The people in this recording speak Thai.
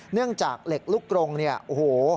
เนื่องจากเหล็กลูกกรงเนี่ยโอ้โห